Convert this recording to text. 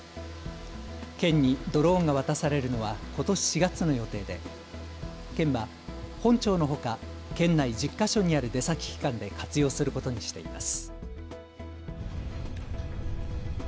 県にドローンが渡されるのはことし４月の予定で県は本庁のほか県内１０か所にある出先機関で活用することにしています。